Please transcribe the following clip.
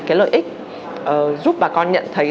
cái lợi ích giúp bà con nhận thấy